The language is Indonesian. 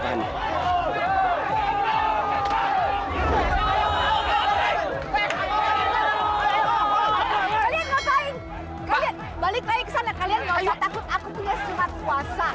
kalian gak usah takut aku punya sumat kuasa